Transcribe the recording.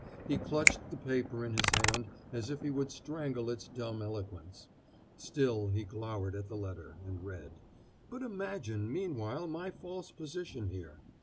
He clutched the paper in his hand as if he would strangle its dumb eloquence. Still he glowered at the letter, and read. But imagine, meanwhile, my false position here!